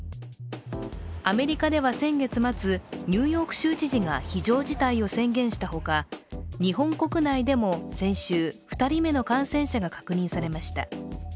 アメリカでは先月末ニューヨーク州知事が非常事態を宣言したほか、日本国内でも先週、２人目の感染者が確認されました。